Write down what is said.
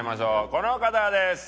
この方です。